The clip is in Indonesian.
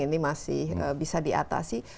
ini masih bisa diatasi